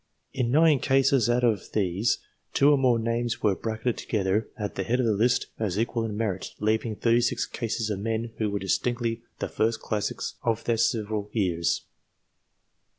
In nine cases out of these, two or more names were bracketed together at the head of the list as equal in merit, leaving thirty six cases of men who were distinctly the first classics of their several years.